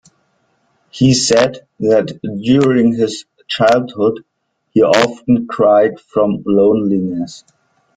He said that during his childhood he often cried from loneliness.